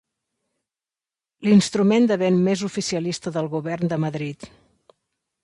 L'instrument de vent més oficialista del govern de Madrid.